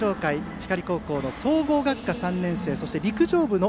光高校の総合学科３年生そして陸上部の